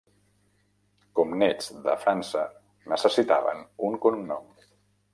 Com nets de França, necessitaven un cognom.